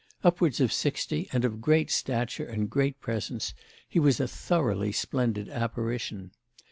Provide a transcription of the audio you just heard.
Upwards of sixty and of great stature and great presence, he was a thoroughly splendid apparition.